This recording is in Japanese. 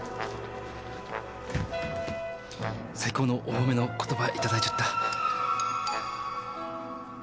最高のお褒めの言葉いただいちゃった。